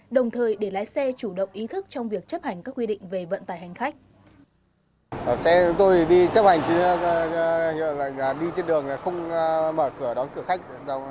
đồng thời để lái xe chủ động ý thức trong việc chấp hành các quy định về vận tải hành khách